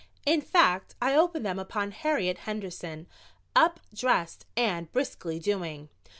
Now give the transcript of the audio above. In fact, I opened them upon Harriet Henderson, up, dressed and briskly doing.